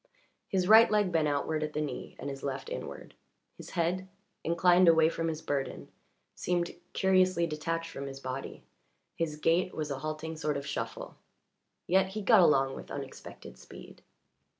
His right leg bent outward at the knee, and his left inward; his head, inclined away from his burden, seemed curiously detached from his body; his gait was a halting sort of shuffle; yet he got along with unexpected speed.